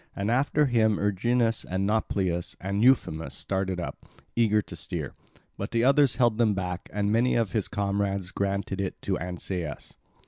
And after him Erginus and Nauplius and Euphemus started up, eager to steer. But the others held them back, and many of his comrades granted it to Ancaeus.